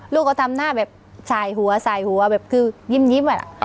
ลูกก็ทำหน้าแบบสายหัวแบบคือยิ้มแบบนั้น